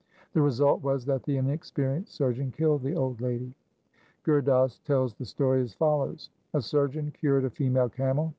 The result was that the inexperienced surgeon killed the old lady. Gur Das tells the story as follows :— A surgeon cured a female camel.